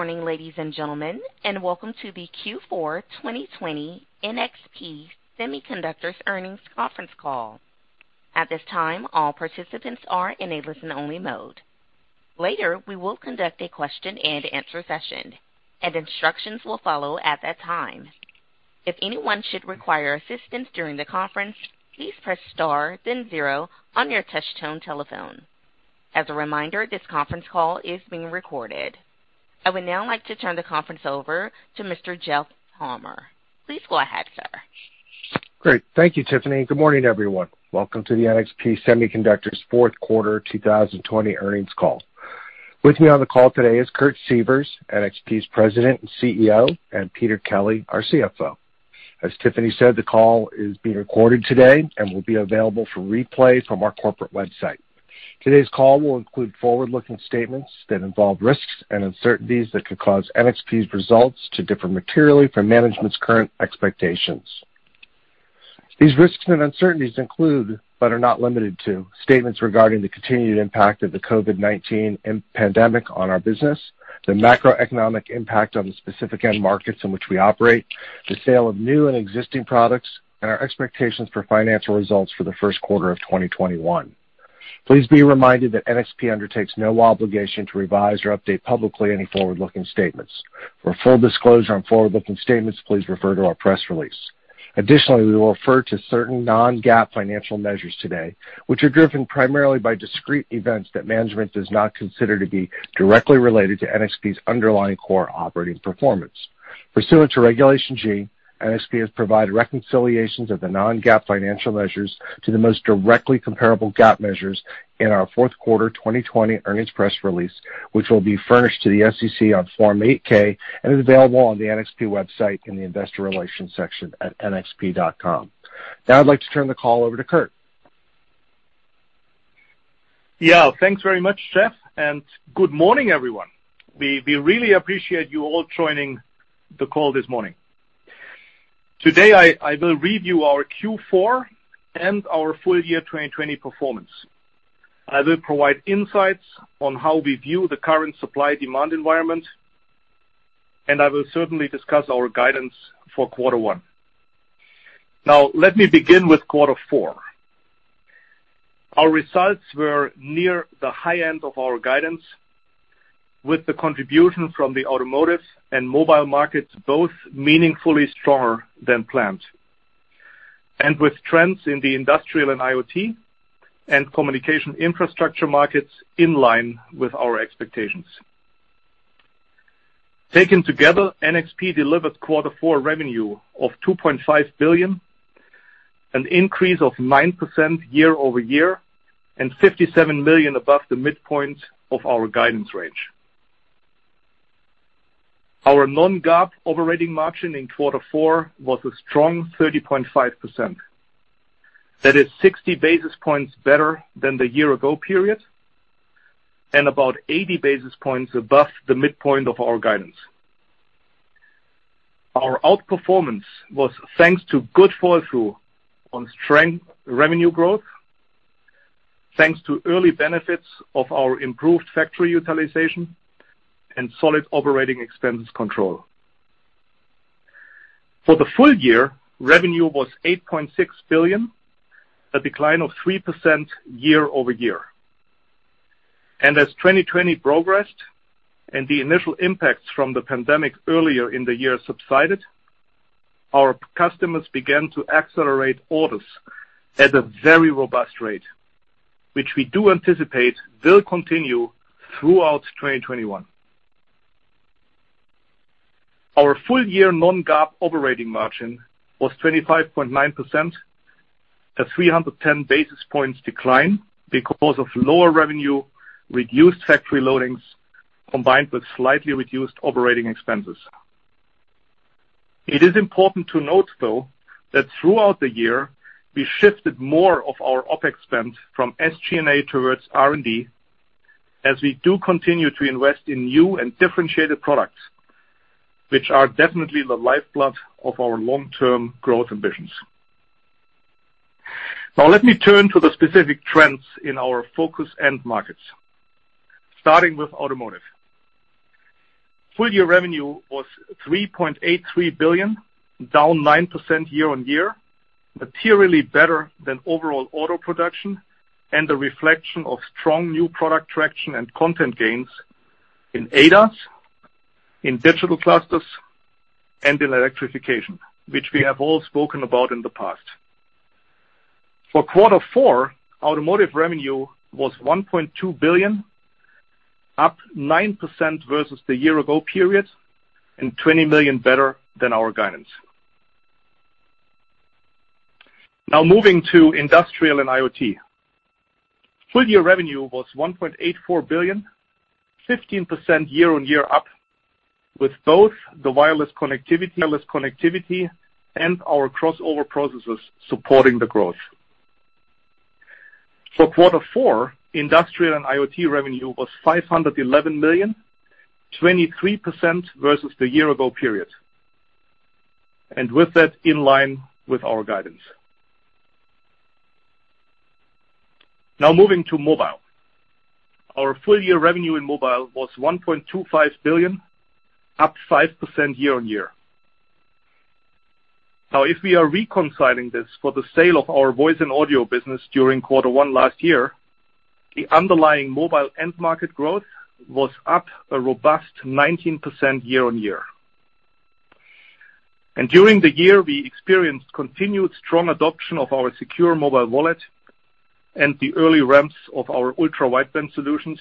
Good morning, ladies and gentlemen, and welcome to the Q4 2020 NXP Semiconductors earnings conference call. At this time, all participants are in a listen-only mode. Later, we will conduct a question-and-answer session, and instructions will follow at that time. If anyone should require assistance during the conference, please press star then zero on your touchtone telephone. As a reminder, this conference call is being recorded. I would now like to turn the conference over to Mr. Jeff Palmer. Please go ahead, sir. Great. Thank you, Tiffany, and good morning, everyone. Welcome to the NXP Semiconductors fourth quarter 2020 earnings call. With me on the call today is Kurt Sievers, NXP's President and CEO, and Peter Kelly, our CFO. As Tiffany said, the call is being recorded today and will be available for replay from our corporate website. Today's call will include forward-looking statements that involve risks and uncertainties that could cause NXP's results to differ materially from management's current expectations. These risks and uncertainties include, but are not limited to, statements regarding the continued impact of the COVID-19 pandemic on our business, the macroeconomic impact on the specific end markets in which we operate, the sale of new and existing products, and our expectations for financial results for the first quarter of 2021. Please be reminded that NXP undertakes no obligation to revise or update publicly any forward-looking statements. For full disclosure on forward-looking statements, please refer to our press release. Additionally, we will refer to certain non-GAAP financial measures today, which are driven primarily by discrete events that management does not consider to be directly related to NXP's underlying core operating performance. Pursuant to Regulation G, NXP has provided reconciliations of the non-GAAP financial measures to the most directly comparable GAAP measures in our fourth quarter 2020 earnings press release, which will be furnished to the SEC on Form 8-K and is available on the NXP website in the investor relations section at nxp.com. Now I'd like to turn the call over to Kurt. Thanks very much, Jeff, and good morning, everyone. We really appreciate you all joining the call this morning. Today, I will review our Q4 and our full year 2020 performance. I will provide insights on how we view the current supply-demand environment, and I will certainly discuss our guidance for quarter one. Let me begin with quarter four. Our results were near the high end of our guidance with the contribution from the automotive and mobile markets both meaningfully stronger than planned, and with trends in the industrial and IoT and communication infrastructure markets in line with our expectations. Taken together, NXP delivered quarter four revenue of $2.5 billion, an increase of 9% year-over-year, and $57 million above the midpoint of our guidance range. Our non-GAAP operating margin in quarter four was a strong 30.5%. That is 60 basis points better than the year-ago period, and about 80 basis points above the midpoint of our guidance. Our outperformance was thanks to good fall-through on strength revenue growth, thanks to early benefits of our improved factory utilization, and solid operating expense control. For the full year, revenue was $8.6 billion, a decline of 3% year-over-year. As 2020 progressed and the initial impacts from the pandemic earlier in the year subsided, our customers began to accelerate orders at a very robust rate, which we do anticipate will continue throughout 2021. Our full-year non-GAAP operating margin was 25.9%, a 310 basis points decline because of lower revenue, reduced factory loadings, combined with slightly reduced operating expenses. It is important to note, though, that throughout the year, we shifted more of our OpEx spend from SG&A towards R&D as we do continue to invest in new and differentiated products, which are definitely the lifeblood of our long-term growth ambitions. Let me turn to the specific trends in our focus end markets, starting with automotive. Full-year revenue was $3.83 billion, down 9% year-over-year, materially better than overall auto production, and a reflection of strong new product traction and content gains in ADAS, in digital clusters, and in electrification, which we have all spoken about in the past. For quarter four, automotive revenue was $1.2 billion, up 9% versus the year ago period and $20 million better than our guidance. Moving to industrial and IoT. Full year revenue was $1.84 billion, 15% year-on-year up with both the wireless connectivity and our crossover processors supporting the growth. For quarter four, industrial and IoT revenue was $511 million, 23% versus the year-ago period. With that, in line with our guidance. Moving to mobile. Our full year revenue in mobile was $1.25 billion, up 5% year-on-year. If we are reconciling this for the sale of our voice and audio business during quarter one last year, the underlying mobile end market growth was up a robust 19% year-on-year. During the year, we experienced continued strong adoption of our secure mobile wallet and the early ramps of our ultra-wideband solutions,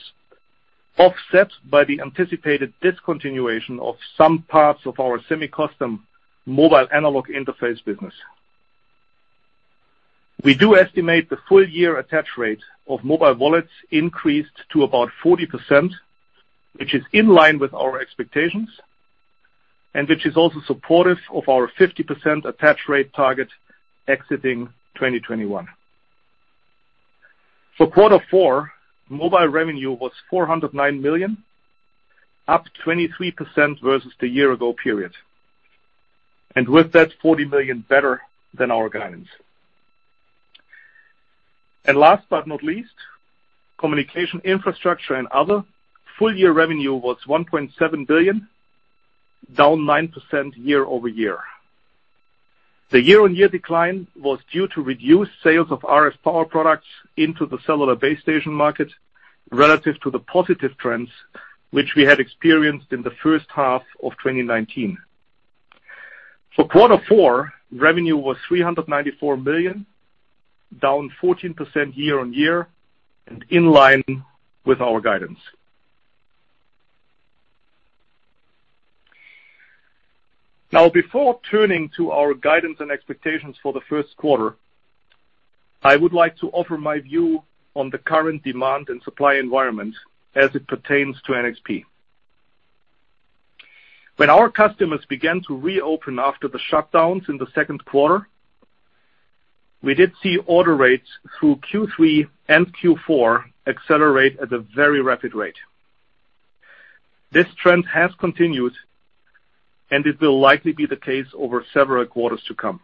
offset by the anticipated discontinuation of some parts of our semi-custom mobile analog interface business. We do estimate the full year attach rate of mobile wallets increased to about 40%, which is in line with our expectations, which is also supportive of our 50% attach rate target exiting 2021. For quarter four, mobile revenue was $409 million, up 23% versus the year ago period. With that, $40 million better than our guidance. Last but not least, communication infrastructure and other full year revenue was $1.7 billion, down 9% year-over-year. The year-on-year decline was due to reduced sales of RF power products into the cellular base station market relative to the positive trends which we had experienced in the first half of 2019. For quarter four, revenue was $394 million, down 14% year-on-year and in line with our guidance. Now, before turning to our guidance and expectations for the first quarter, I would like to offer my view on the current demand and supply environment as it pertains to NXP. When our customers began to reopen after the shutdowns in the second quarter, we did see order rates through Q3 and Q4 accelerate at a very rapid rate. This trend has continued, and it will likely be the case over several quarters to come.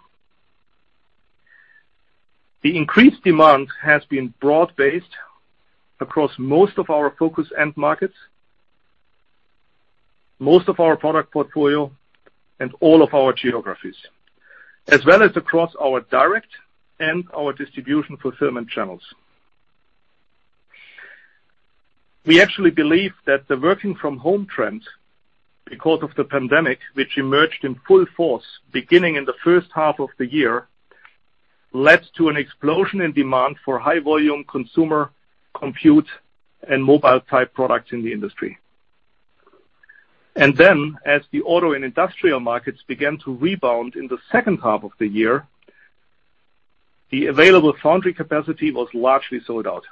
The increased demand has been broad-based across most of our focus end markets, most of our product portfolio, and all of our geographies, as well as across our direct and our distribution fulfillment channels. We actually believe that the working from home trend, because of the pandemic which emerged in full force beginning in the first half of the year, led to an explosion in demand for high volume consumer compute and mobile type products in the industry. Then as the auto and industrial markets began to rebound in the second half of the year, the available foundry capacity was largely sold out.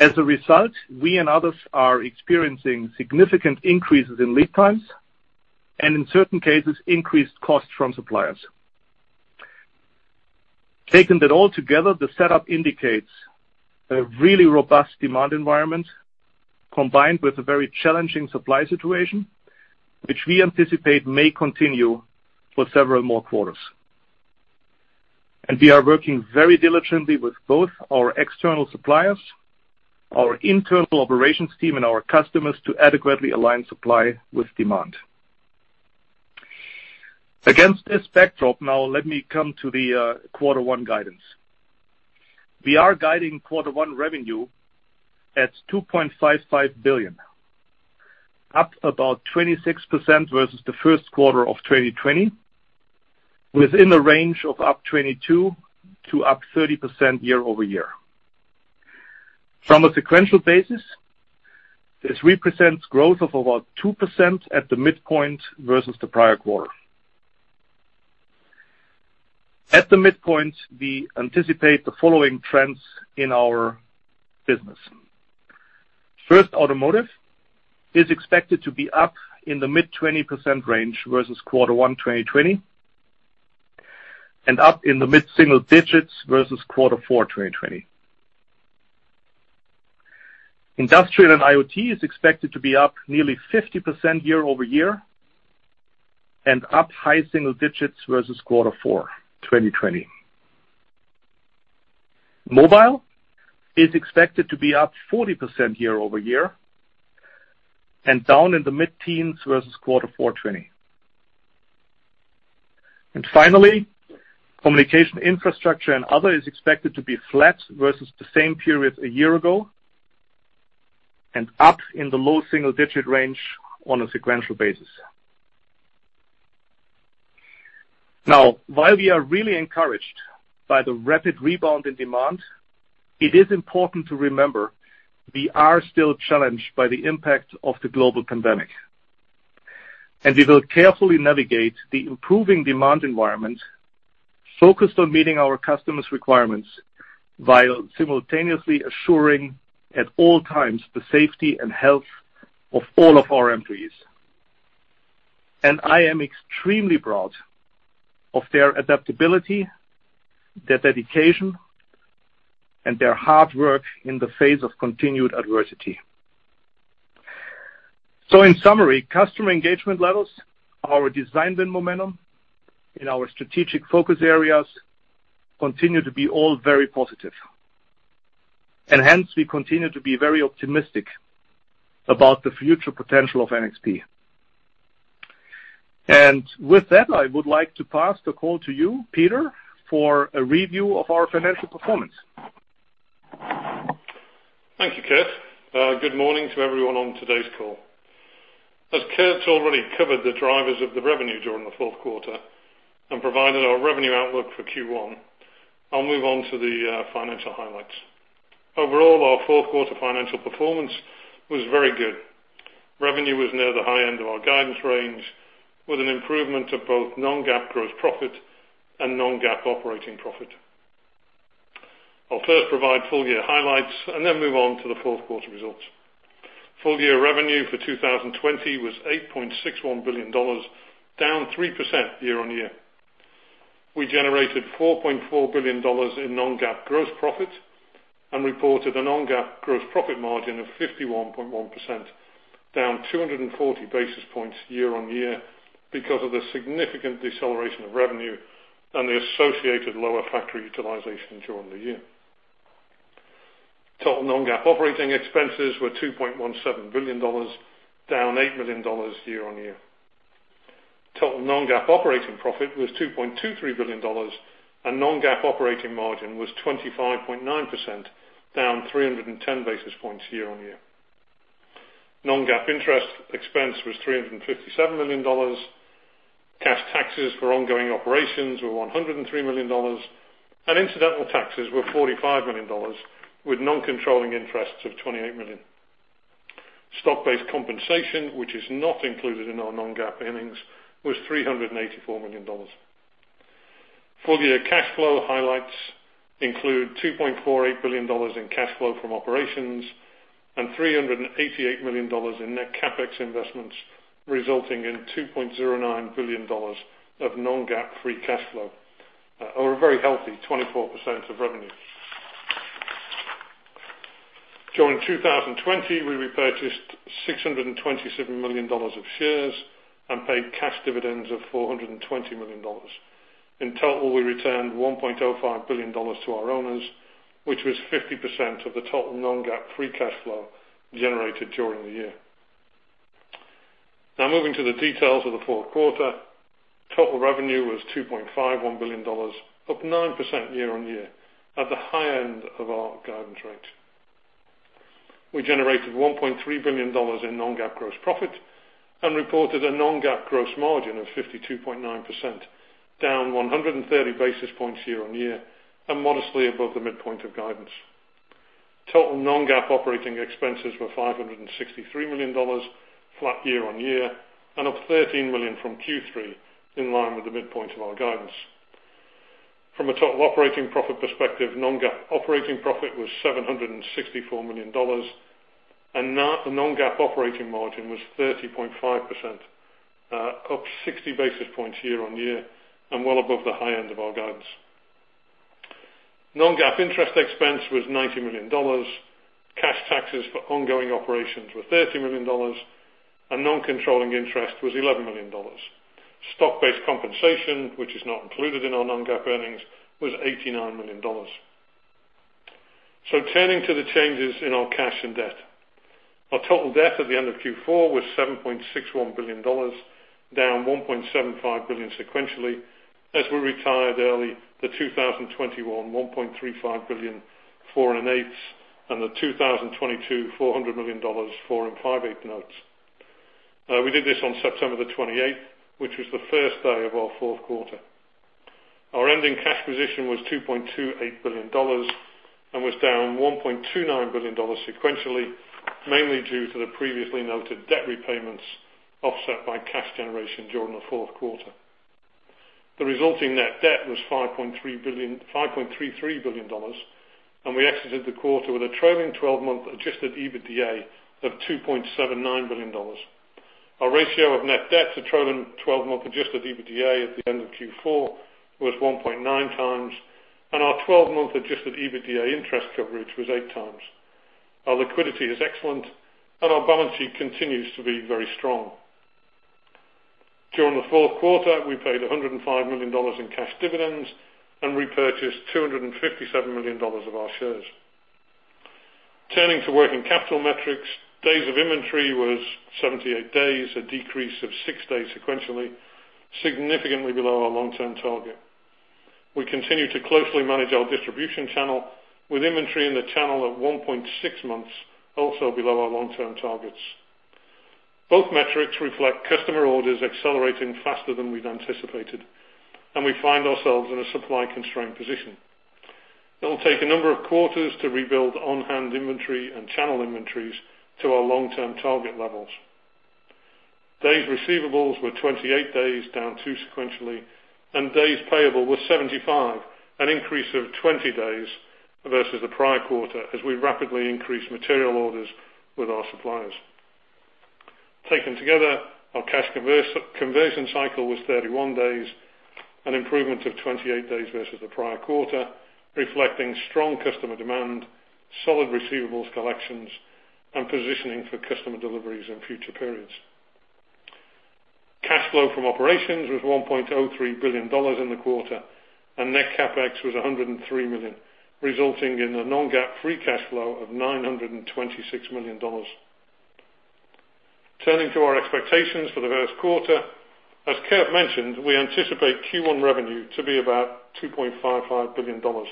As a result, we and others are experiencing significant increases in lead times and in certain cases, increased costs from suppliers. Taking that all together, the setup indicates a really robust demand environment combined with a very challenging supply situation, which we anticipate may continue for several more quarters. We are working very diligently with both our external suppliers, our internal operations team, and our customers to adequately align supply with demand. Against this backdrop now, let me come to the quarter one guidance. We are guiding quarter one revenue at $2.55 billion, up about 26% versus the first quarter of 2020, within a range of 22%-30% year-over-year. From a sequential basis, this represents growth of about 2% at the midpoint versus the prior quarter. At the midpoint, we anticipate the following trends in our business. First, automotive is expected to be up in the mid-20% range versus quarter one 2020, and up in the mid-single digits versus quarter four 2020. Industrial and IoT is expected to be up nearly 50% year-over-year and up high single digits versus quarter four 2020. Mobile is expected to be up 40% year-over-year and down in the mid-teens versus quarter four 2020. Finally, Communication Infrastructure and other is expected to be flat versus the same period a year ago and up in the low single-digit range on a sequential basis. While we are really encouraged by the rapid rebound in demand, it is important to remember we are still challenged by the impact of the global pandemic, and we will carefully navigate the improving demand environment focused on meeting our customers' requirements while simultaneously assuring at all times the safety and health of all of our employees. I am extremely proud of their adaptability, their dedication, and their hard work in the face of continued adversity. In summary, customer engagement levels, our design win momentum in our strategic focus areas continue to be all very positive, and hence we continue to be very optimistic about the future potential of NXP. With that, I would like to pass the call to you, Peter, for a review of our financial performance. Thank you, Kurt. Good morning to everyone on today's call. As Kurt's already covered the drivers of the revenue during the fourth quarter and provided our revenue outlook for Q1, I'll move on to the financial highlights. Overall, our fourth quarter financial performance was very good. Revenue was near the high end of our guidance range, with an improvement of both non-GAAP gross profit and non-GAAP operating profit. I'll first provide full year highlights and then move on to the fourth quarter results. Full year revenue for 2020 was $8.61 billion, down 3% year-on-year. We generated $4.4 billion in non-GAAP gross profit and reported a non-GAAP gross profit margin of 51.1%, down 240 basis points year-on-year because of the significant deceleration of revenue and the associated lower factory utilization during the year. Total non-GAAP operating expenses were $2.17 billion, down $8 million year-on-year. Total non-GAAP operating profit was $2.23 billion, and non-GAAP operating margin was 25.9%, down 310 basis points year on year. Non-GAAP interest expense was $357 million. Cash taxes for ongoing operations were $103 million, and incidental taxes were $45 million, with non-controlling interests of $28 million. Stock-based compensation, which is not included in our non-GAAP earnings, was $384 million. Full year cash flow highlights include $2.48 billion in cash flow from operations and $388 million in net CapEx investments, resulting in $2.09 billion of non-GAAP free cash flow or a very healthy 24% of revenue. During 2020, we repurchased $627 million of shares and paid cash dividends of $420 million. In total, we returned $1.05 billion to our owners, which was 50% of the total non-GAAP free cash flow generated during the year. Now moving to the details of the fourth quarter, total revenue was $2.51 billion, up 9% year-on-year at the high end of our guidance range. We generated $1.3 billion in non-GAAP gross profit and reported a non-GAAP gross margin of 52.9%, down 130 basis points year-on-year and modestly above the midpoint of guidance. Total non-GAAP operating expenses were $563 million, flat year-on-year and up $13 million from Q3, in line with the midpoint of our guidance. From a total operating profit perspective, non-GAAP operating profit was $764 million and the non-GAAP operating margin was 30.5%, up 60 basis points year-on-year and well above the high end of our guidance. Non-GAAP interest expense was $90 million. Cash taxes for ongoing operations were $30 million and non-controlling interest was $11 million. Stock-based compensation, which is not included in our non-GAAP earnings, was $89 million. Turning to the changes in our cash and debt. Our total debt at the end of Q4 was $7.61 billion, down $1.75 billion sequentially as we retired early the 2021 $1.35 billion 4.125% and the 2022 $400 million 4.625% notes. We did this on September the 28th, which was the first day of our fourth quarter. Our ending cash position was $2.28 billion and was down $1.29 billion sequentially, mainly due to the previously noted debt repayments offset by cash generation during the fourth quarter. The resulting net debt was $5.33 billion, and we exited the quarter with a trailing 12-month adjusted EBITDA of $2.79 billion. Our ratio of net debt to trailing 12-month adjusted EBITDA at the end of Q4 was 1.9x, and our 12-month adjusted EBITDA interest coverage was 8x. Our liquidity is excellent, and our balance sheet continues to be very strong. During the fourth quarter, we paid $105 million in cash dividends and repurchased $257 million of our shares. Turning to working capital metrics, days of inventory was 78 days, a decrease of six days sequentially, significantly below our long-term target. We continue to closely manage our distribution channel with inventory in the channel at 1.6 months, also below our long-term targets. Both metrics reflect customer orders accelerating faster than we'd anticipated, and we find ourselves in a supply constrained position. It'll take a number of quarters to rebuild on-hand inventory and channel inventories to our long-term target levels. Days receivables were 28 days, down two sequentially, and days payable were 75, an increase of 20 days versus the prior quarter, as we rapidly increased material orders with our suppliers. Taken together, our cash conversion cycle was 31 days, an improvement of 28 days versus the prior quarter, reflecting strong customer demand, solid receivables collections, and positioning for customer deliveries in future periods. Cash flow from operations was $1.03 billion in the quarter, and net CapEx was $103 million, resulting in a non-GAAP free cash flow of $926 million. Turning to our expectations for the first quarter. As Kurt mentioned, we anticipate Q1 revenue to be about $2.55 billion, ±$75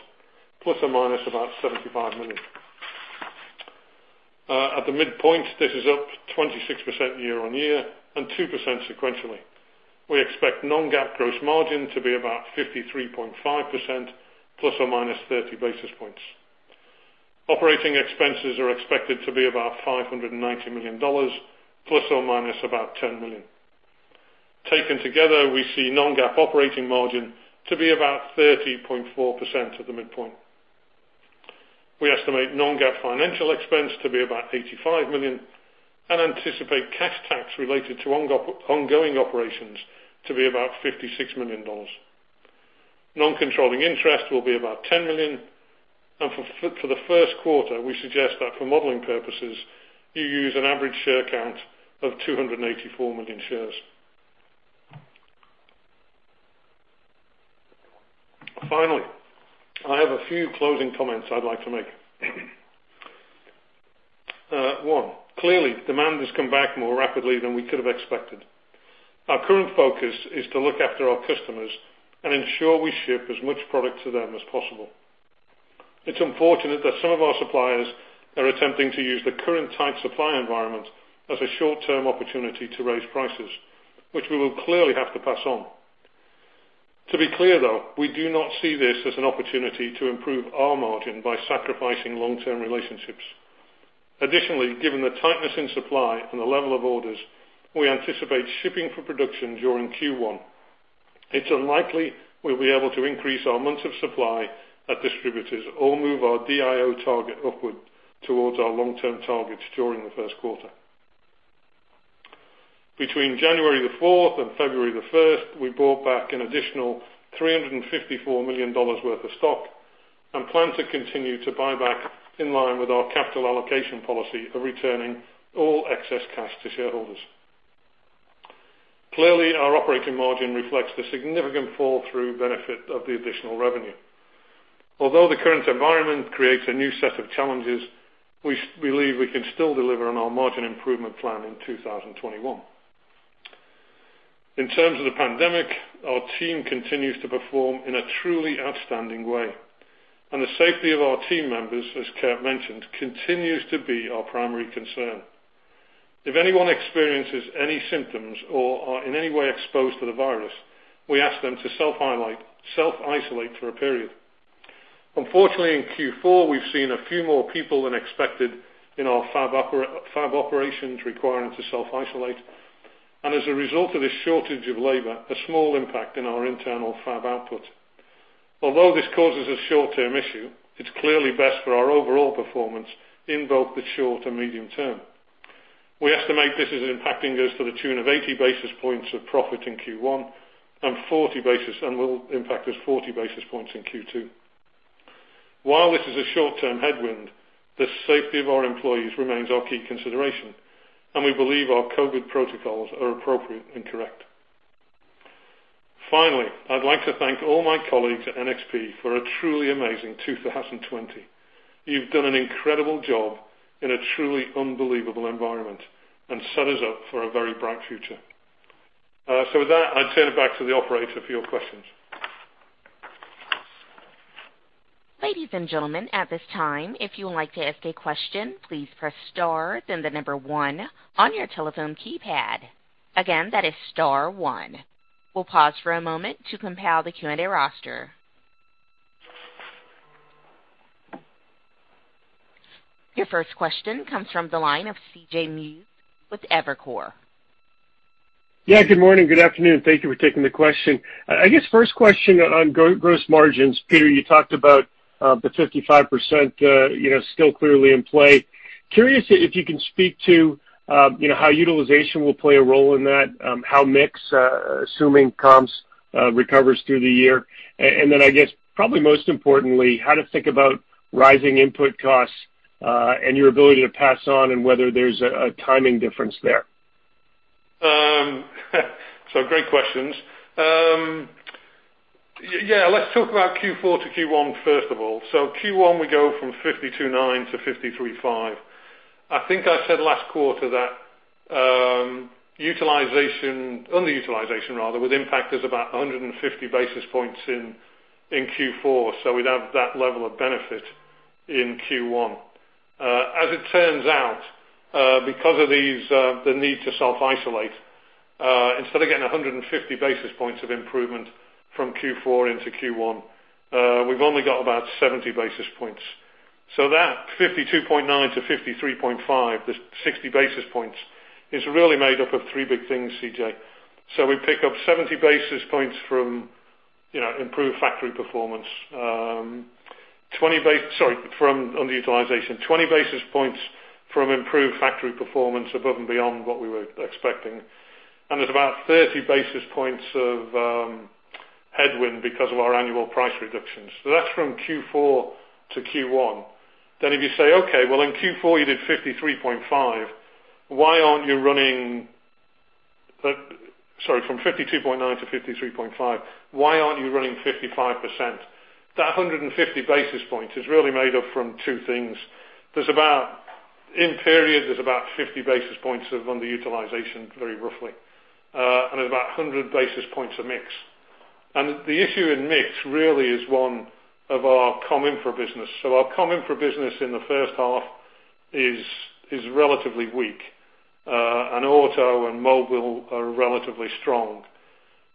million. At the midpoint, this is up 26% year-on-year and 2% sequentially. We expect non-GAAP gross margin to be about 53.5%, ±30 basis points. Operating expenses are expected to be about $590 million, ±$10 million. Taken together, we see non-GAAP operating margin to be about 30.4% at the midpoint. We estimate non-GAAP financial expense to be about $85 million and anticipate cash tax related to ongoing operations to be about $56 million. Non-controlling interest will be about $10 million, and for the first quarter, we suggest that for modeling purposes, you use an average share count of 284 million shares. I have a few closing comments I'd like to make. One, clearly, demand has come back more rapidly than we could have expected. Our current focus is to look after our customers and ensure we ship as much product to them as possible. It's unfortunate that some of our suppliers are attempting to use the current tight supply environment as a short-term opportunity to raise prices, which we will clearly have to pass on. To be clear, though, we do not see this as an opportunity to improve our margin by sacrificing long-term relationships. Additionally, given the tightness in supply and the level of orders, we anticipate shipping for production during Q1. It's unlikely we'll be able to increase our months of supply at distributors or move our DIO target upward towards our long-term targets during the first quarter. Between January the 4th and February the 1st, we bought back an additional $354 million worth of stock and plan to continue to buy back in line with our capital allocation policy of returning all excess cash to shareholders. Clearly, our operating margin reflects the significant fall-through benefit of the additional revenue. Although the current environment creates a new set of challenges, we believe we can still deliver on our margin improvement plan in 2021. In terms of the pandemic, our team continues to perform in a truly outstanding way, and the safety of our team members, as Kurt mentioned, continues to be our primary concern. If anyone experiences any symptoms or are in any way exposed to the virus, we ask them to self-isolate for a period. Unfortunately, in Q4, we've seen a few more people than expected in our fab operations requiring to self-isolate, and as a result of this shortage of labor, a small impact in our internal fab output. Although this causes a short-term issue, it's clearly best for our overall performance in both the short and medium term. We estimate this is impacting us to the tune of 80 basis points of profit in Q1 and will impact us 40 basis points in Q2. While this is a short-term headwind, the safety of our employees remains our key consideration, and we believe our COVID protocols are appropriate and correct. Finally, I'd like to thank all my colleagues at NXP for a truly amazing 2020. You've done an incredible job in a truly unbelievable environment and set us up for a very bright future. With that, I turn it back to the operator for your questions. Ladies and gentlemen, at this time, if you would like to ask a question, please press star then the number one on your telephone keypad. Again, that is star one. We'll pause for a moment to compile the Q&A roster. Your first question comes from the line of CJ Muse with Evercore. Good morning, good afternoon. Thank you for taking the question. I guess first question on gross margins. Peter, you talked about the 55% still clearly in play. Curious if you can speak to how utilization will play a role in that, how mix, assuming comps recovers through the year. I guess probably most importantly, how to think about rising input costs and your ability to pass on and whether there's a timing difference there. Great questions. Yeah. Let's talk about Q4 to Q1 first of all. Q1 we go from 52.9 to 53.5. I think I said last quarter that underutilization would impact us about 150 basis points in Q4, so we'd have that level of benefit in Q1. As it turns out, because of the need to self-isolate, instead of getting 150 basis points of improvement from Q4 into Q1, we've only got about 70 basis points. That 52.9 to 53.5, the 60 basis points, is really made up of three big things, CJ. We pick up 70 basis points from improved factory performance. Sorry, from underutilization. 20 basis points from improved factory performance above and beyond what we were expecting. There's about 30 basis points of headwind because of our annual price reductions. That's from Q4 to Q1. If you say, "Okay, well, in Q4 you did 53.5. Why aren't you running sorry, from 52.9 to 53.5, why aren't you running 55%?" That 150 basis points is really made up from two things. There's about, in period, there's about 50 basis points of underutilization, very roughly. There's about 100 basis points of mix. The issue in mix really is one of our comm infra business. Our comm infra business in the first half is relatively weak. Auto and mobile are relatively strong.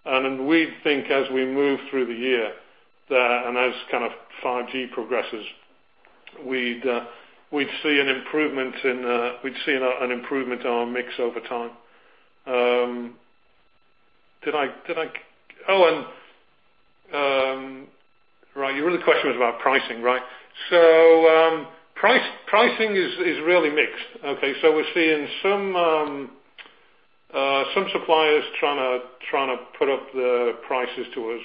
We think as we move through the year there, and as 5G progresses, we'd see an improvement in our mix over time. Your other question was about pricing, right? Pricing is really mixed. Okay. We're seeing some suppliers trying to put up their prices to us.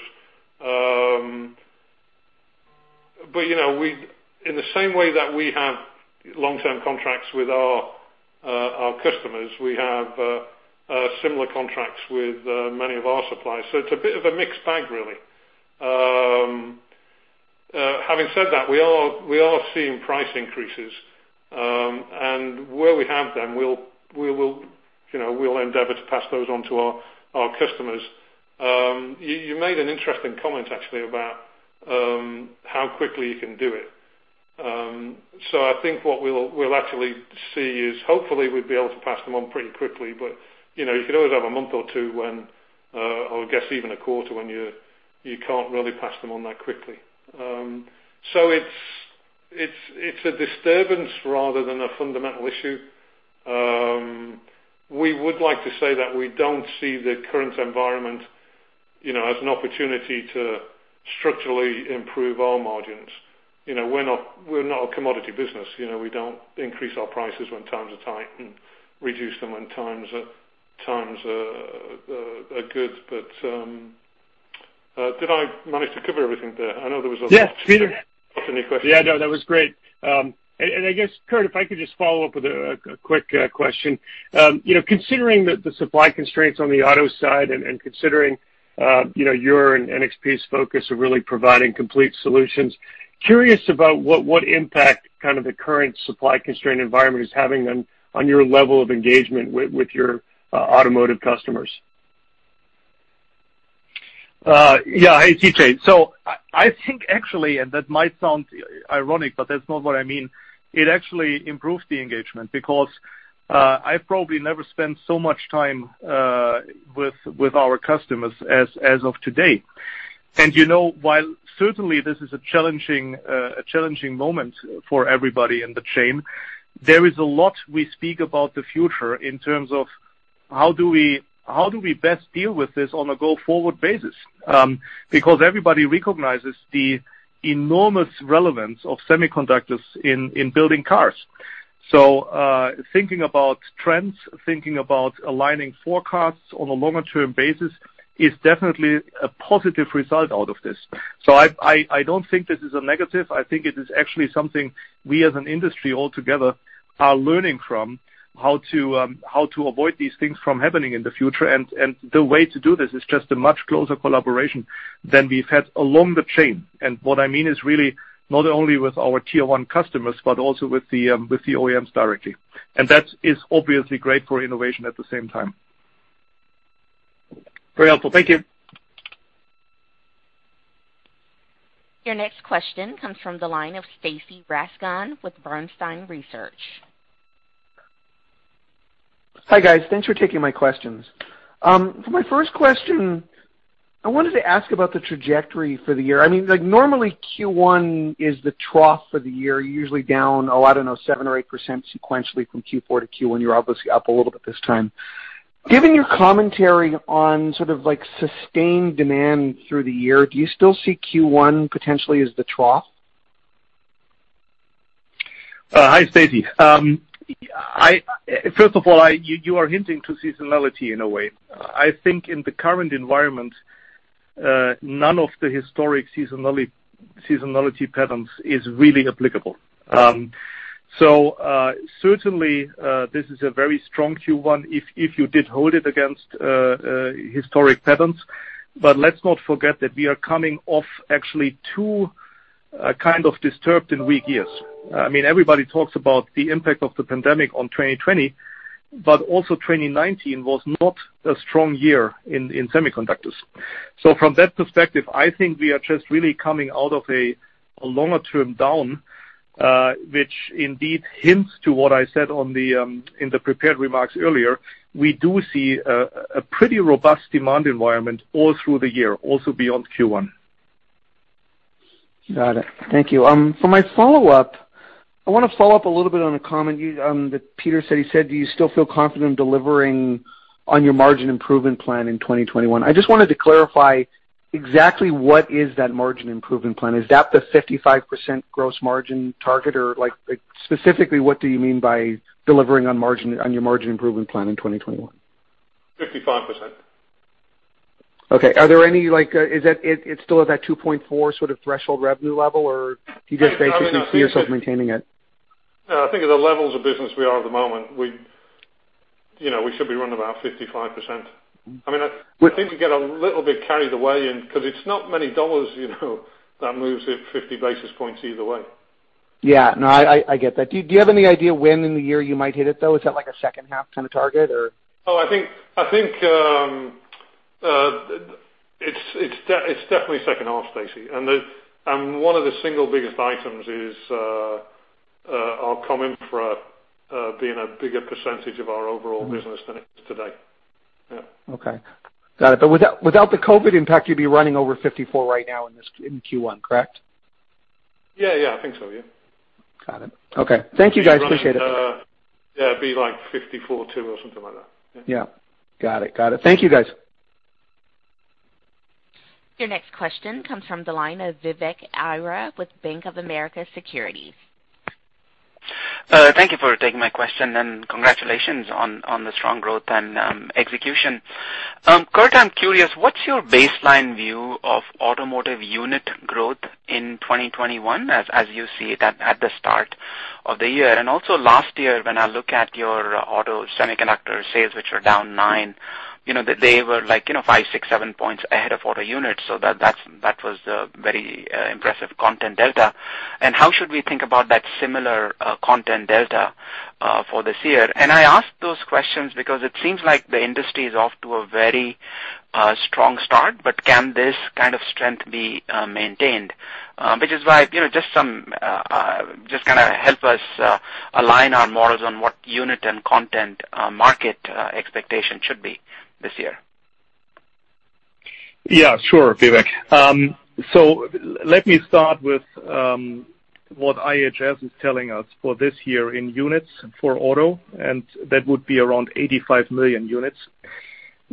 In the same way that we have long-term contracts with our customers, we have similar contracts with many of our suppliers. It's a bit of a mixed bag, really. Having said that, we are seeing price increases. Where we have them, we'll endeavor to pass those on to our customers. You made an interesting comment actually about how quickly you can do it. I think what we'll actually see is hopefully we'd be able to pass them on pretty quickly, but you could always have a month or two when, or I guess even a quarter, when you can't really pass them on that quickly. It's a disturbance rather than a fundamental issue. We would like to say that we don't see the current environment as an opportunity to structurally improve our margins. We're not a commodity business. We don't increase our prices when times are tight and reduce them when times are good. Did I manage to cover everything there? Yes, Peter. any questions. Yeah, no, that was great. I guess, Kurt, if I could just follow up with a quick question. Considering the supply constraints on the auto side and considering your and NXP's focus of really providing complete solutions, curious about what impact the current supply constraint environment is having on your level of engagement with your automotive customers. Hey, CJ. I think actually, and that might sound ironic, but that's not what I mean, it actually improves the engagement because I've probably never spent so much time with our customers as of today. While certainly this is a challenging moment for everybody in the chain, there is a lot we speak about the future in terms of how do we best deal with this on a go-forward basis. Everybody recognizes the enormous relevance of semiconductors in building cars. Thinking about trends, thinking about aligning forecasts on a longer term basis is definitely a positive result out of this. I don't think this is a negative. I think it is actually something we as an industry altogether are learning from how to avoid these things from happening in the future. The way to do this is just a much closer collaboration than we've had along the chain. What I mean is really not only with our tier one customers, but also with the OEMs directly. That is obviously great for innovation at the same time. Very helpful. Thank you. Your next question comes from the line of Stacy Rasgon with Bernstein Research. Hi, guys. Thanks for taking my questions. For my first question, I wanted to ask about the trajectory for the year. Normally Q1 is the trough for the year. You're usually down, oh, I don't know, 7% or 8% sequentially from Q4 to Q1. You're obviously up a little bit this time. Given your commentary on sustained demand through the year, do you still see Q1 potentially as the trough? Hi, Stacy. First of all, you are hinting to seasonality in a way. I think in the current environment, none of the historic seasonality patterns is really applicable. Certainly, this is a very strong Q1 if you did hold it against historic patterns. Let's not forget that we are coming off actually two kind of disturbed and weak years. Everybody talks about the impact of the pandemic on 2020, also 2019 was not a strong year in semiconductors. From that perspective, I think we are just really coming out of a longer term down, which indeed hints to what I said in the prepared remarks earlier. We do see a pretty robust demand environment all through the year, also beyond Q1. Got it. Thank you. For my follow-up, I want to follow up a little bit on a comment that Peter said. He said, do you still feel confident in delivering on your margin improvement plan in 2021? I just wanted to clarify exactly what is that margin improvement plan? Is that the 55% gross margin target? Specifically, what do you mean by delivering on your margin improvement plan in 2021? 55%. Okay. It still has that $2.4 sort of threshold revenue level, or do you just basically see yourself maintaining it? No, I think at the levels of business we are at the moment, we should be around about 55%. I think we get a little bit carried away, because it's not many dollars, that moves it 50 basis points either way. Yeah. No, I get that. Do you have any idea when in the year you might hit it, though? Is that like a second half kind of target or? Oh, I think it's definitely second half, Stacy. One of the single biggest items is our comm infra being a bigger percentage of our overall business than it is today. Yeah. Okay. Got it. Without the COVID impact, you'd be running over 54% right now in Q1, correct? Yeah, I think so, yeah. Got it. Okay. Thank you, guys. Appreciate it. Yeah, it'd be like 54.2% or something like that. Yeah. Got it. Thank you, guys. Your next question comes from the line of Vivek Arya with Bank of America Securities. Thank you for taking my question, congratulations on the strong growth and execution. Kurt, I'm curious, what's your baseline view of automotive unit growth in 2021 as you see it at the start of the year? Also last year, when I look at your auto semiconductor sales, which were down nine, they were five, six, seven points ahead of auto units, that was a very impressive content delta. How should we think about that similar content delta for this year? I ask those questions because it seems like the industry is off to a very strong start, can this kind of strength be maintained? Just kind of help us align our models on what unit and content market expectation should be this year. Yeah, sure, Vivek. Let me start with what IHS is telling us for this year in units for auto, and that would be around 85 million units.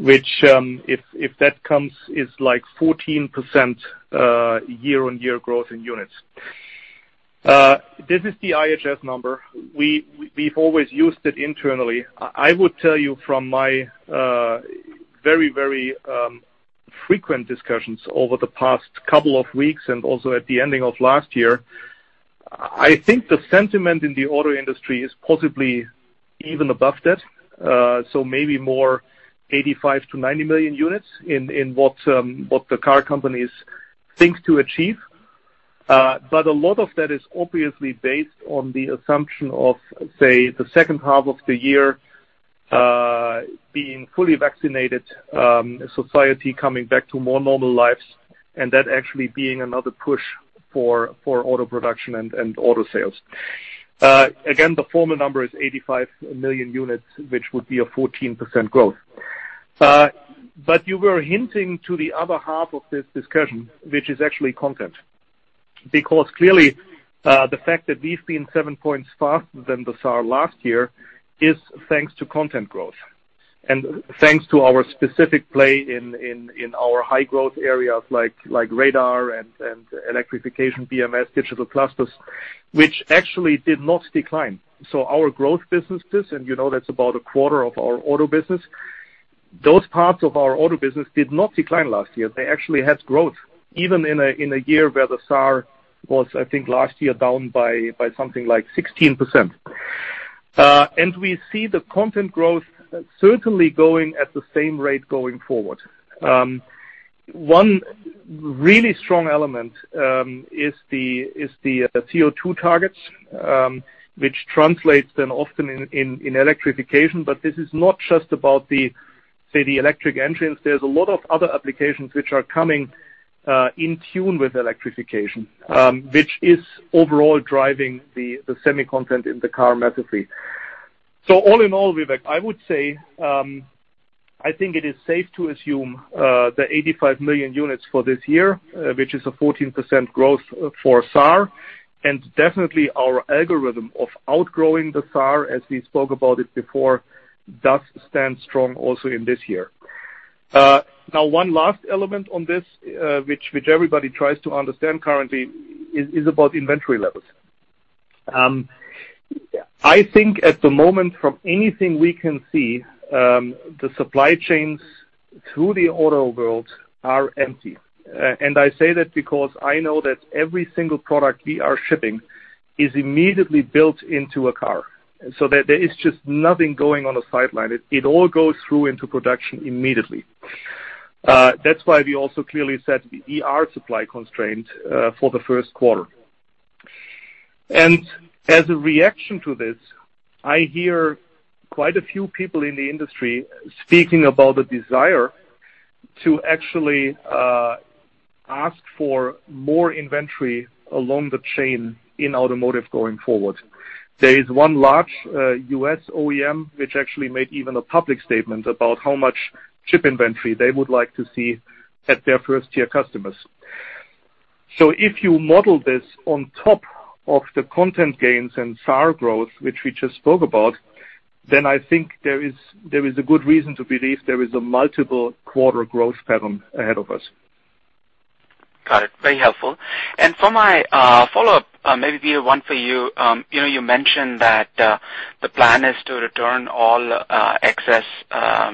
Which, if that comes, is like 14% year-on-year growth in units. This is the IHS number. We've always used it internally. I would tell you from my very frequent discussions over the past couple of weeks and also at the ending of last year, I think the sentiment in the auto industry is possibly even above that. Maybe more 85 million-90 million units in what the car companies think to achieve. A lot of that is obviously based on the assumption of, say, the second half of the year being fully vaccinated, society coming back to more normal lives, and that actually being another push for auto production and auto sales. The formal number is 85 million units, which would be a 14% growth. You were hinting to the other half of this discussion, which is actually content. Clearly, the fact that we've been seven points faster than the SAAR last year is thanks to content growth, and thanks to our specific play in our high growth areas like radar and electrification, BMS, digital clusters, which actually did not decline. Our growth businesses, and you know that's about a quarter of our auto business, those parts of our auto business did not decline last year. They actually had growth, even in a year where the SAAR was, I think, last year down by something like 16%. We see the content growth certainly going at the same rate going forward. One really strong element is the CO2 targets, which translates then often in electrification. This is not just about, say, the electric engines. There's a lot of other applications which are coming in tune with electrification, which is overall driving the semi content in the car massively. All in all, Vivek, I would say, I think it is safe to assume the 85 million units for this year, which is a 14% growth for SAAR. Definitely our algorithm of outgrowing the SAAR, as we spoke about it before, does stand strong also in this year. Now, one last element on this, which everybody tries to understand currently, is about inventory levels. I think at the moment, from anything we can see, the supply chains through the auto world are empty. I say that because I know that every single product we are shipping is immediately built into a car, so there is just nothing going on a sideline. It all goes through into production immediately. That's why we also clearly said we are supply constrained for the first quarter. As a reaction to this, I hear quite a few people in the industry speaking about the desire to actually ask for more inventory along the chain in automotive going forward. There is one large U.S. OEM, which actually made even a public statement about how much chip inventory they would like to see at their 1st-tier customers. If you model this on top of the content gains and SAAR growth, which we just spoke about, then I think there is a good reason to believe there is a multiple quarter growth pattern ahead of us. Got it, very helpful. For my follow-up, maybe be a one for you. You mentioned that the plan is to return all excess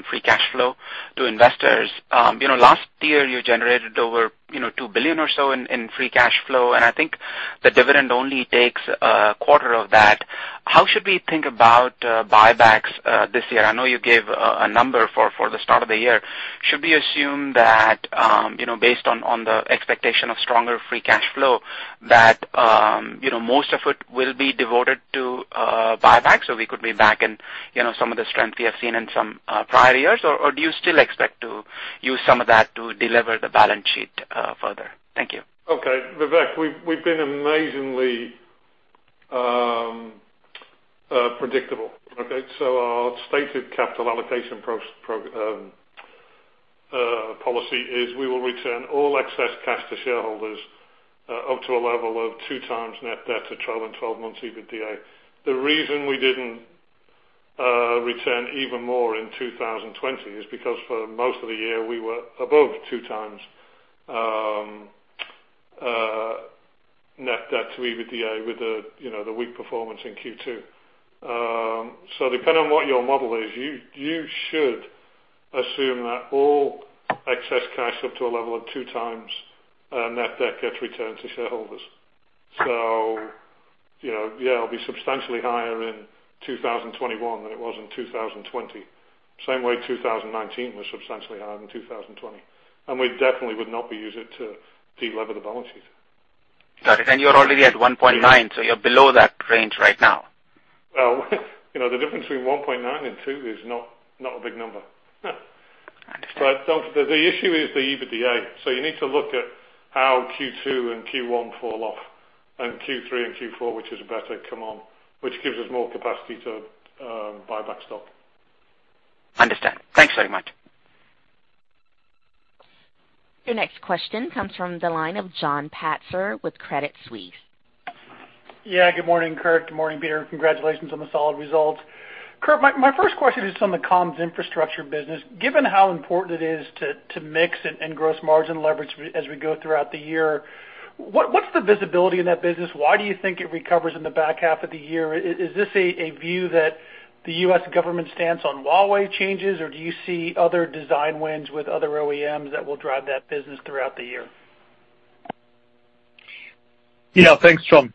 free cash flow to investors. Last year you generated over $2 billion or so in free cash flow, and I think the dividend only takes a quarter of that. How should we think about buybacks this year? I know you gave a number for the start of the year. Should we assume that based on the expectation of stronger free cash flow, that most of it will be devoted to buybacks? We could be back in some of the strength we have seen in some prior years, or do you still expect to use some of that to delever the balance sheet further? Thank you. Vivek, we've been amazingly predictable. Our stated capital allocation policy is we will return all excess cash to shareholders up to a level of 2x net debt to trailing 12 months EBITDA. The reason we didn't return even more in 2020 is because for most of the year, we were above 2x net debt to EBITDA with the weak performance in Q2. Depending on what your model is, you should assume that all excess cash up to a level of 2x net debt gets returned to shareholders. Yeah, it'll be substantially higher in 2021 than it was in 2020. Same way 2019 was substantially higher than 2020. We definitely would not be using it to delever the balance sheet. Got it. You're already at 1.9x, so you're below that range right now. Well the difference between 1.9x and two is not a big number. I understand. The issue is the EBITDA. You need to look at how Q2 and Q1 fall off, and Q3 and Q4, which is a better come on, which gives us more capacity to buy back stock. Understand. Thanks very much. Your next question comes from the line of John Pitzer with Credit Suisse. Yeah, good morning, Kurt. Good morning, Peter. Congratulations on the solid results. Kurt, my first question is on the comms infrastructure business. Given how important it is to mix and gross margin leverage as we go throughout the year, what's the visibility in that business? Why do you think it recovers in the back half of the year? Is this a view that the U.S. government stance on Huawei changes, or do you see other design wins with other OEMs that will drive that business throughout the year? Yeah, thanks, John.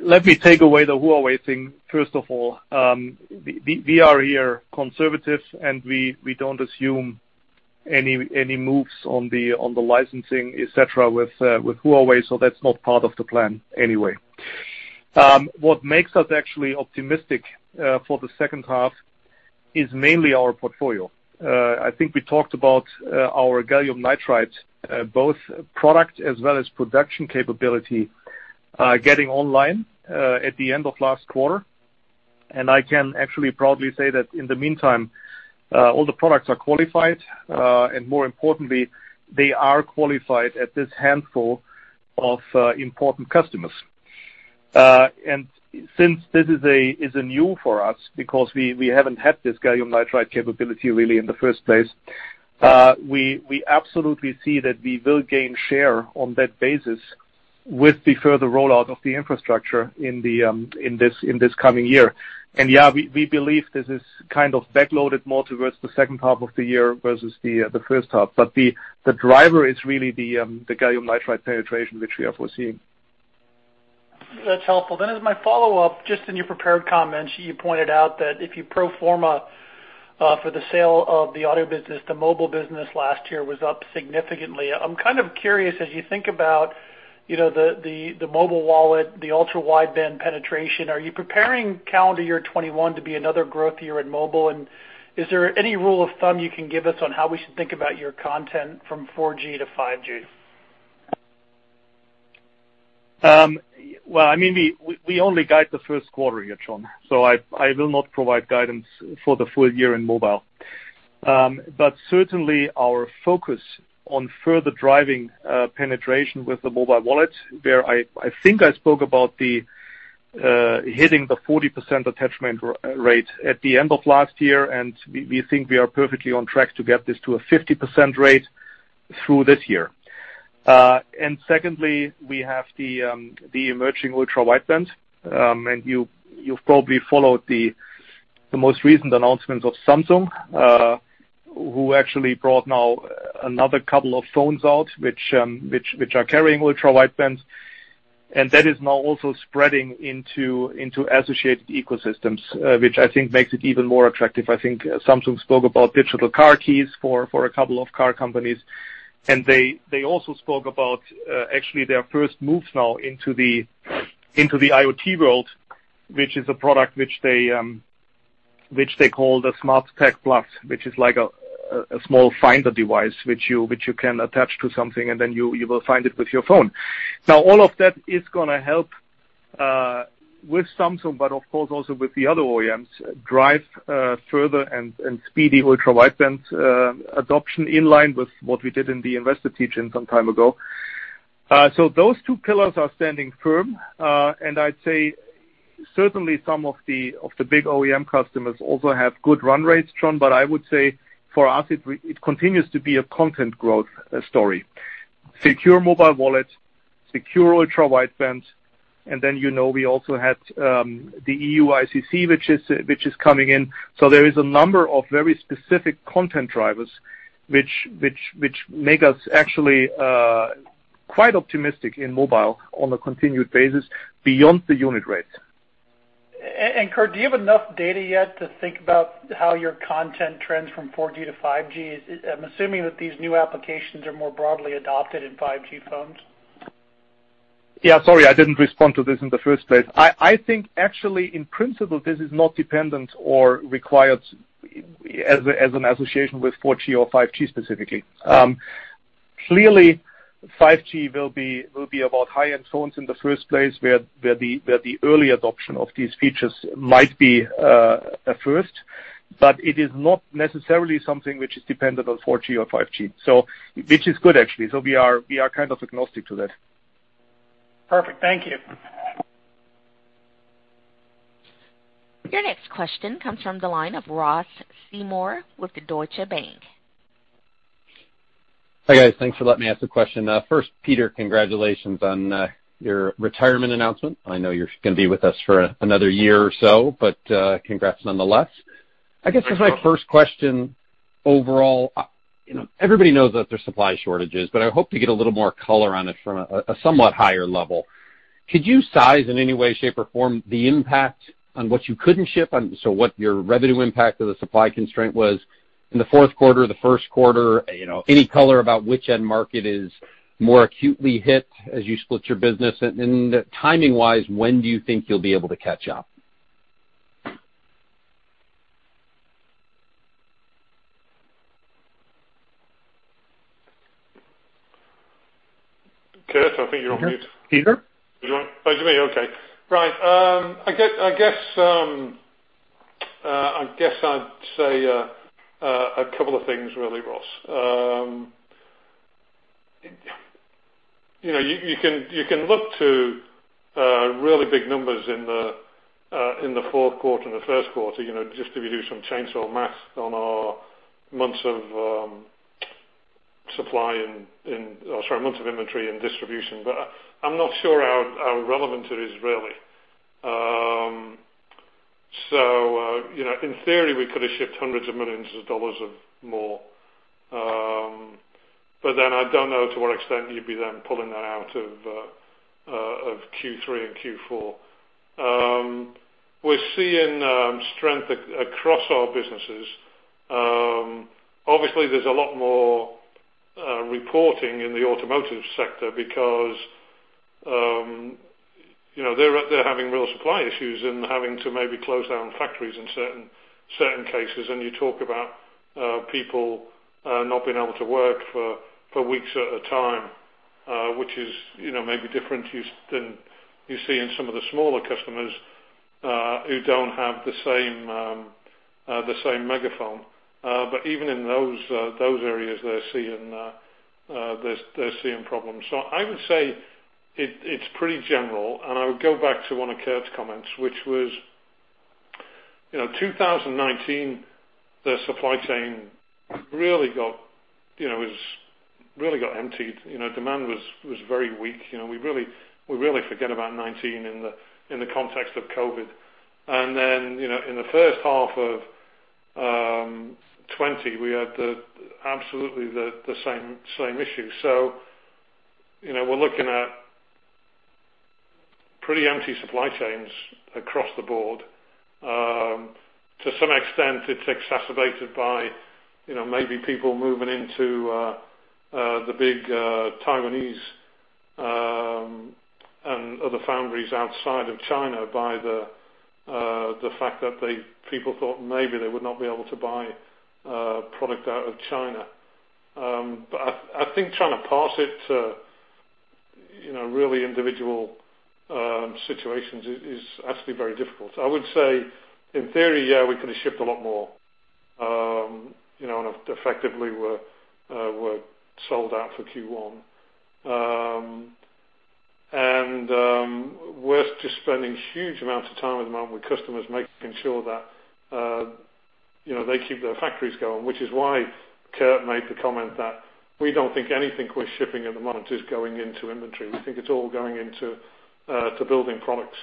Let me take away the Huawei thing, first of all. We are here conservative, and we don't assume any moves on the licensing, et cetera, with Huawei. That's not part of the plan anyway. What makes us actually optimistic for the second half is mainly our portfolio. I think we talked about our gallium nitride both product as well as production capability getting online at the end of last quarter. I can actually proudly say that in the meantime, all the products are qualified, and more importantly, they are qualified at this handful of important customers. Since this is new for us because we haven't had this gallium nitride capability really in the first place, we absolutely see that we will gain share on that basis with the further rollout of the infrastructure in this coming year. Yeah, we believe this is kind of backloaded more towards the second half of the year versus the first half. The driver is really the gallium nitride penetration, which we are foreseeing. That's helpful. As my follow-up, just in your prepared comments, you pointed out that if you pro forma for the sale of the audio business, the mobile business last year was up significantly. I'm kind of curious, as you think about the mobile wallet, the ultra-wideband penetration, are you preparing calendar year 2021 to be another growth year in mobile? Is there any rule of thumb you can give us on how we should think about your content from 4G to 5G? We only guide the first quarter here, John. I will not provide guidance for the full year in mobile. Certainly our focus on further driving penetration with the mobile wallet, where I think I spoke about hitting the 40% attachment rate at the end of last year, and we think we are perfectly on track to get this to a 50% rate through this year. Secondly, we have the emerging ultra-wideband. You've probably followed the most recent announcements of Samsung, who actually brought now another couple of phones out, which are carrying ultra-wideband. That is now also spreading into associated ecosystems, which I think makes it even more attractive. I think Samsung spoke about digital car keys for a couple of car companies, and they also spoke about actually their first moves now into the IoT world, which is a product which they call the SmartTag+, which is like a small finder device, which you can attach to something, and then you will find it with your phone. All of that is going to help with Samsung, but of course also with the other OEMs drive further and speedy ultra-wideband adoption in line with what we did in the investor teach-in some time ago. Those two pillars are standing firm. I'd say certainly some of the big OEM customers also have good run rates, John, but I would say for us, it continues to be a content growth story. Secure mobile wallet, secure ultra-wideband, we also had the eUICC, which is coming in. There is a number of very specific content drivers which make us actually quite optimistic in mobile on a continued basis beyond the unit rates. Kurt, do you have enough data yet to think about how your content trends from 4G to 5G? I'm assuming that these new applications are more broadly adopted in 5G phones. Yeah, sorry, I didn't respond to this in the first place. I think actually in principle, this is not dependent or required as an association with 4G or 5G specifically. Clearly, 5G will be about high-end phones in the first place, where the early adoption of these features might be a first, but it is not necessarily something which is dependent on 4G or 5G. Which is good, actually. We are kind of agnostic to that. Perfect. Thank you. Your next question comes from the line of Ross Seymore with the Deutsche Bank. Hi, guys. Thanks for letting me ask the question. First, Peter, congratulations on your retirement announcement. I know you're going to be with us for another year or so, but congrats nonetheless. Thanks, Ross. I guess as my first question, overall, everybody knows that there's supply shortages, but I hope to get a little more color on it from a somewhat higher level. Could you size in any way, shape, or form the impact on what you couldn't ship? What your revenue impact of the supply constraint was in the fourth quarter, the first quarter, any color about which end market is more acutely hit as you split your business? Timing-wise, when do you think you'll be able to catch up? Kurt, I think you're on mute. Peter? Oh, it's me. Okay. Right. I guess I'd say a couple of things, really, Ross. You can look to really big numbers in the fourth quarter and the first quarter, just if you do some chainsaw math on our months of supply in, or sorry, months of inventory and distribution. I'm not sure how relevant it is, really. In theory, we could have shipped hundreds of millions of dollars of more. I don't know to what extent you'd be then pulling that out of Q3 and Q4. We're seeing strength across our businesses. Obviously, there's a lot more reporting in the automotive sector because they're having real supply issues and having to maybe close down factories in certain cases. You talk about people not being able to work for weeks at a time, which is maybe different than you see in some of the smaller customers who don't have the same megaphone. Even in those areas, they're seeing problems. I would say it's pretty general, and I would go back to one of Kurt's comments, which was 2019, the supply chain really got emptied. Demand was very weak. We really forget about 2019 in the context of COVID. In the first half of 2020, we had absolutely the same issue. We're looking at pretty empty supply chains across the board. To some extent, it's exacerbated by maybe people moving into the big Taiwanese and other foundries outside of China by the fact that people thought maybe they would not be able to buy product out of China. I think trying to parse it to really individual situations is actually very difficult. I would say, in theory, yeah, we could have shipped a lot more and effectively were sold out for Q1. We're just spending huge amounts of time at the moment with customers making sure that they keep their factories going, which is why Kurt made the comment that we don't think anything we're shipping at the moment is going into inventory. We think it's all going into building products.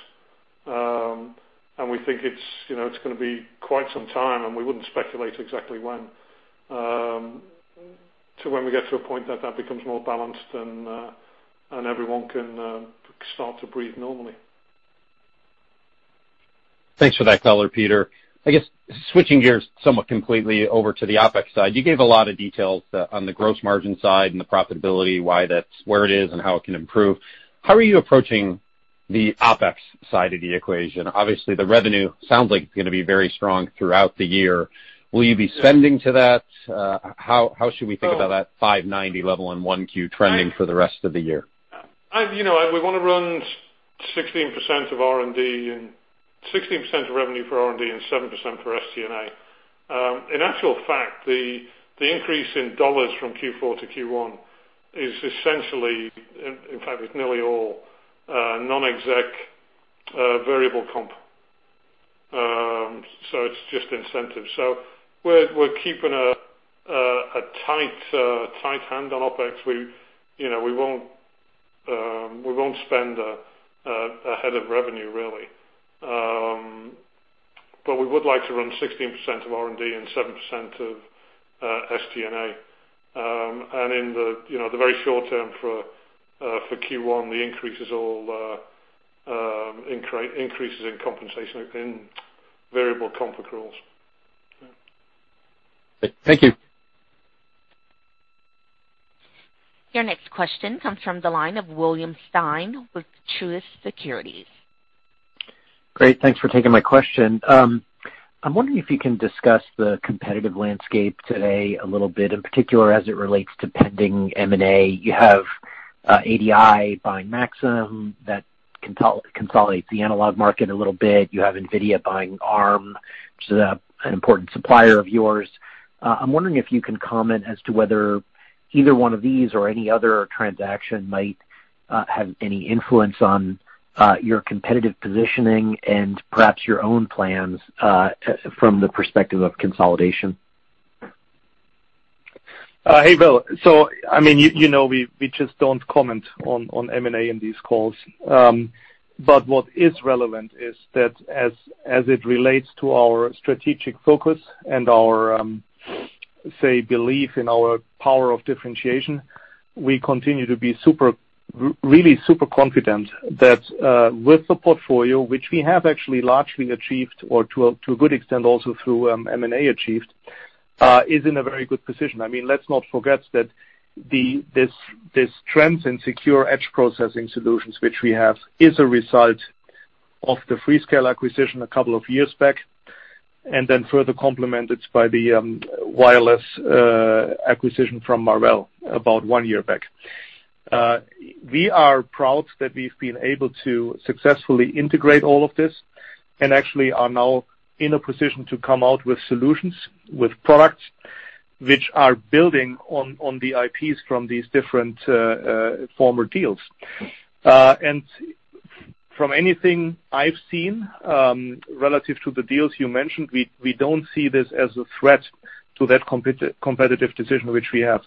We think it's going to be quite some time, and we wouldn't speculate exactly when, to when we get to a point that that becomes more balanced and everyone can start to breathe normally. Thanks for that color, Peter. I guess switching gears somewhat completely over to the OpEx side. You gave a lot of details on the gross margin side and the profitability, why that's where it is and how it can improve. How are you approaching the OpEx side of the equation? The revenue sounds like it's going to be very strong throughout the year. Will you be spending to that? How should we think about that $590 level in 1Q trending for the rest of the year? We want to run 16% of revenue for R&D and 7% for SG&A. In actual fact, the increase in dollars from Q4 to Q1 is essentially, in fact, it's nearly all non-exec variable comp. It's just incentive. We're keeping a tight hand on OpEx. We won't spend ahead of revenue, really. We would like to run 16% of R&D and 7% of SG&A. In the very short term for Q1, the increases all increases in compensation, in variable comp accruals. Thank you. Your next question comes from the line of William Stein with Truist Securities. Great. Thanks for taking my question. I'm wondering if you can discuss the competitive landscape today a little bit, in particular as it relates to pending M&A. You have ADI buying Maxim. That consolidates the analog market a little bit. You have NVIDIA buying Arm, which is an important supplier of yours. I'm wondering if you can comment as to whether either one of these or any other transaction might have any influence on your competitive positioning and perhaps your own plans from the perspective of consolidation. Hey, Bill. I mean, you know we just don't comment on M&A in these calls. What is relevant is that as it relates to our strategic focus and our, say, belief in our power of differentiation, we continue to be really super confident that with the portfolio, which we have actually largely achieved or to a good extent also through M&A achieved, is in a very good position. I mean, let's not forget that this trends in secure edge processing solutions, which we have, is a result of the Freescale acquisition a couple of years back, and then further complemented by the wireless acquisition from Marvell about one year back. We are proud that we've been able to successfully integrate all of this and actually are now in a position to come out with solutions, with products which are building on the IPs from these different former deals. From anything I've seen, relative to the deals you mentioned, we don't see this as a threat to that competitive decision which we have.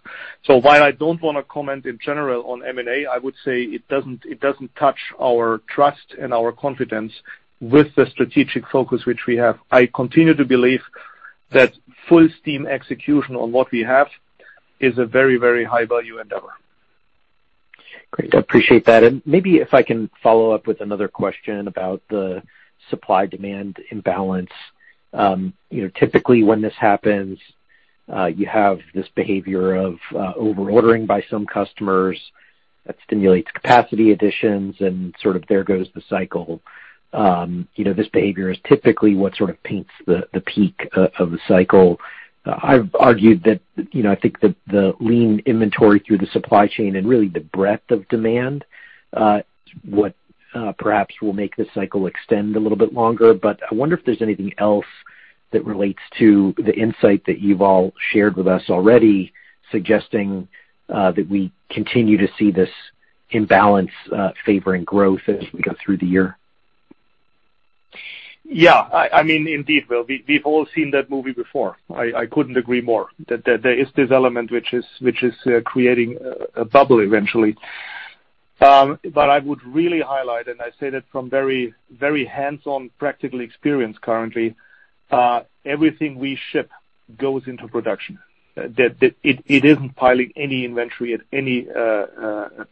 While I don't want to comment in general on M&A, I would say it doesn't touch our trust and our confidence with the strategic focus which we have. I continue to believe that full steam execution on what we have is a very, very high-value endeavor. Great. I appreciate that. Maybe if I can follow up with another question about the supply-demand imbalance. Typically, when this happens, you have this behavior of over-ordering by some customers that stimulates capacity additions and sort of there goes the cycle. This behavior is typically what sort of paints the peak of the cycle. I've argued that I think the lean inventory through the supply chain and really the breadth of demand, what perhaps will make this cycle extend a little bit longer. I wonder if there's anything else that relates to the insight that you've all shared with us already suggesting that we continue to see this imbalance favoring growth as we go through the year. Yeah. I mean, indeed, Bill, we've all seen that movie before. I couldn't agree more that there is this element which is creating a bubble eventually. I would really highlight, I say that from very hands-on practical experience currently, everything we ship goes into production. That it isn't piling any inventory at any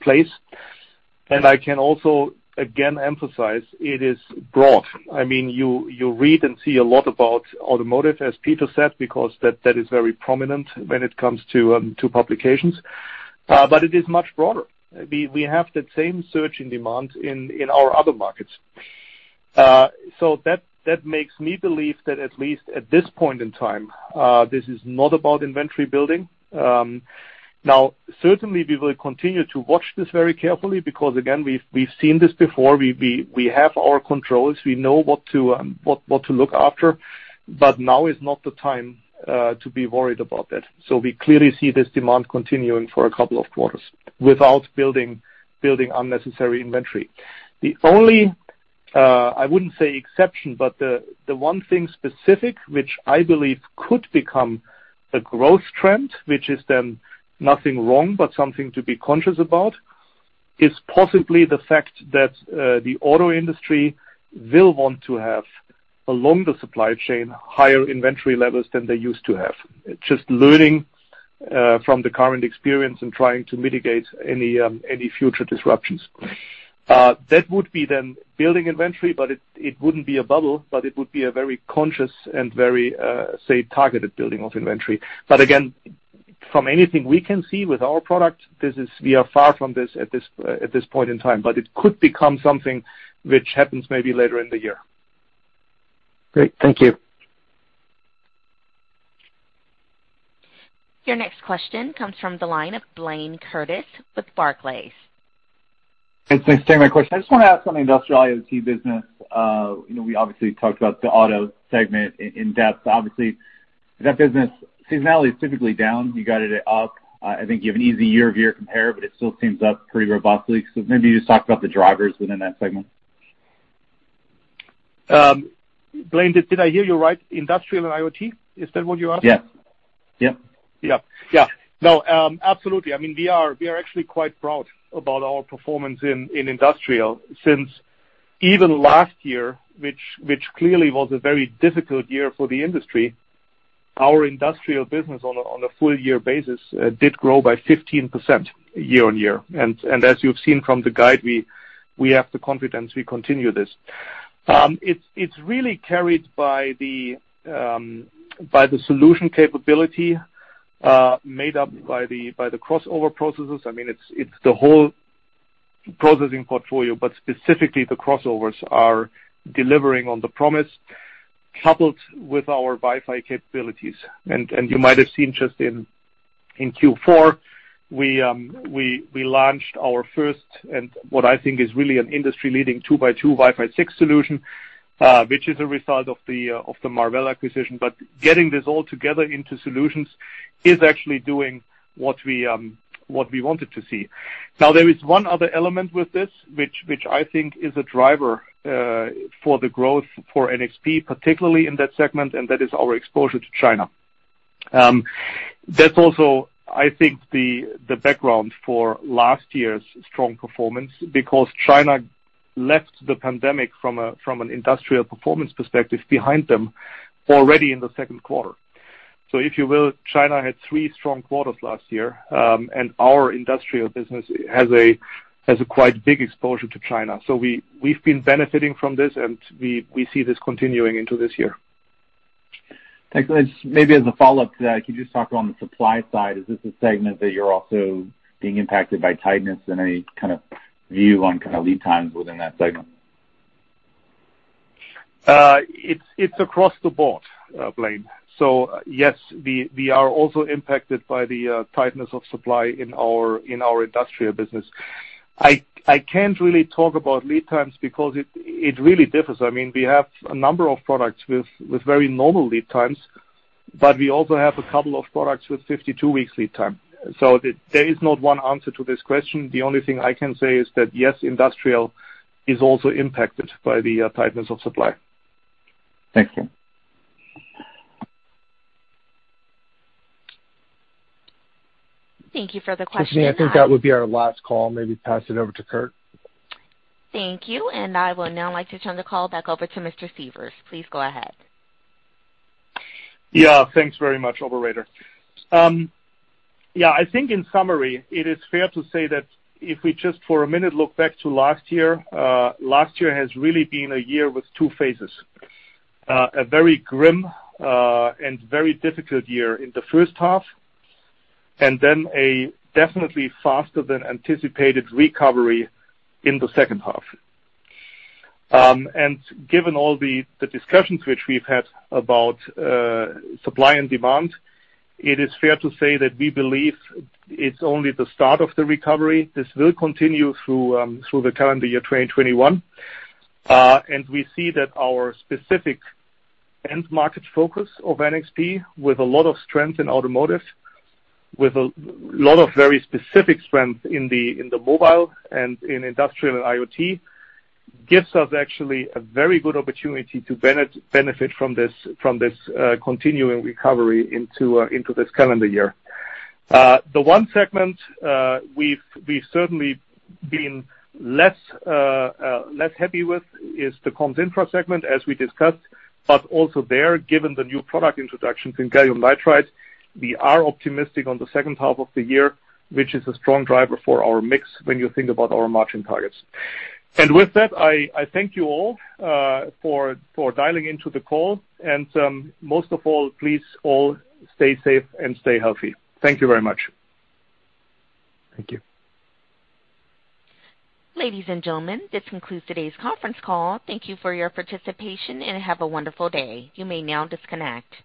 place. I can also, again, emphasize it is broad. I mean, you read and see a lot about automotive, as Peter said, because that is very prominent when it comes to publications. It is much broader. We have that same surge in demand in our other markets. That makes me believe that at least at this point in time, this is not about inventory building. Certainly we will continue to watch this very carefully because, again, we've seen this before. We have our controls. We know what to look after, but now is not the time to be worried about that. We clearly see this demand continuing for a couple of quarters without building unnecessary inventory. The only, I wouldn't say exception, but the one thing specific which I believe could become a growth trend, which is then nothing wrong but something to be conscious about, is possibly the fact that the auto industry will want to have a longer supply chain, higher inventory levels than they used to have. Just learning from the current experience and trying to mitigate any future disruptions. That would be then building inventory, but it wouldn't be a bubble, but it would be a very conscious and very, say, targeted building of inventory. From anything we can see with our product, we are far from this at this point in time. It could become something which happens maybe later in the year. Great. Thank you. Your next question comes from the line of Blayne Curtis with Barclays. Thanks. Thanks for taking my question. I just want to ask on the industrial IoT business. We obviously talked about the auto segment in depth. That business seasonality is typically down. You got it up. I think you have an easy year-over-year compare, it still seems up pretty robustly. Maybe just talk about the drivers within that segment. Blayne, did I hear you right? Industrial and IoT, is that what you asked? Yeah. Yeah. No, absolutely. We are actually quite proud about our performance in industrial, since even last year, which clearly was a very difficult year for the industry, our industrial business on a full year basis did grow by 15% year-on-year. As you've seen from the guide, we have the confidence we continue this. It's really carried by the solution capability, made up by the crossover processors. It's the whole processing portfolio, but specifically the crossovers are delivering on the promise, coupled with our Wi-Fi capabilities. You might have seen just in Q4, we launched our first, and what I think is really an industry-leading two-by-two Wi-Fi 6 solution, which is a result of the Marvell acquisition. Getting this all together into solutions is actually doing what we wanted to see. Now, there is one other element with this, which I think is a driver for the growth for NXP, particularly in that segment, and that is our exposure to China. That's also, I think, the background for last year's strong performance, because China left the pandemic from an industrial performance perspective behind them already in the second quarter. If you will, China had three strong quarters last year, and our industrial business has a quite big exposure to China. We've been benefiting from this, and we see this continuing into this year. Thanks. Maybe as a follow-up to that, can you just talk on the supply side? Is this a segment that you're also being impacted by tightness, and any view on lead times within that segment? It's across the board, Blayne. Yes, we are also impacted by the tightness of supply in our industrial business. I can't really talk about lead times because it really differs. We have a number of products with very normal lead times, but we also have a couple of products with 52-week lead time. There is not one answer to this question. The only thing I can say is that, yes, industrial is also impacted by the tightness of supply. Thank you. Thank you for the question. Christine, I think that would be our last call. Maybe pass it over to Kurt. Thank you. I will now like to turn the call back over to Mr. Sievers. Please go ahead. Yeah, thanks very much, operator. I think in summary, it is fair to say that if we just for a minute look back to last year, last year has really been a year with two phases. Then a very grim and very difficult year in the first half, and a definitely faster than anticipated recovery in the second half. Given all the discussions which we've had about supply and demand, it is fair to say that we believe it's only the start of the recovery. This will continue through the calendar year 2021. We see that our specific end market focus of NXP, with a lot of strength in automotive, with a lot of very specific strength in the mobile and in industrial and IoT, gives us actually a very good opportunity to benefit from this continuing recovery into this calendar year. The one segment we've certainly been less happy with is the comms infrastructure segment, as we discussed. Also there, given the new product introductions in gallium nitride, we are optimistic on the second half of the year, which is a strong driver for our mix when you think about our margin targets. With that, I thank you all for dialing into the call. Most of all, please all stay safe and stay healthy. Thank you very much. Thank you. Ladies and gentlemen, this concludes today's conference call. Thank you for your participation, and have a wonderful day. You may now disconnect.